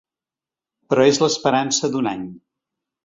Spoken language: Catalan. Però és l’esperança d’un any.